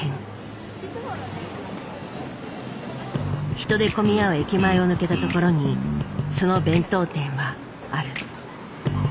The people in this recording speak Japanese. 人で混み合う駅前を抜けたところにその弁当店はある。